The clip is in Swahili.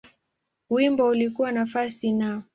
Wimbo ulikuwa nafasi Na.